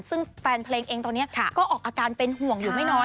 ซึ่งแฟนเพลงเองตอนนี้ก็ออกอาการเป็นห่วงอยู่ไม่น้อย